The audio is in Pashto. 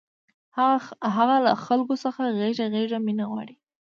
هغه له خلکو څخه غېږه غېږه مینه غواړي